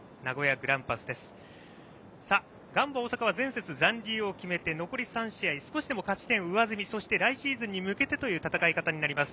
ガンバ大阪は前節、残留を決めて残り３試合少しでも勝ち点を上積みそして来シーズンに向けてという戦いになります。